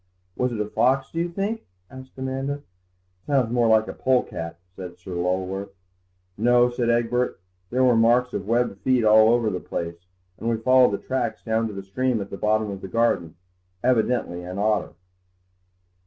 "Was it a fox, do you think?" asked Amanda. "Sounds more like a polecat," said Sir Lulworth. "No," said Egbert, "there were marks of webbed feet all over the place, and we followed the tracks down to the stream at the bottom of the garden; evidently an otter."